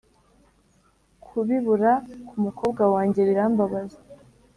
kubibura kumukobwa wanjye birambabaza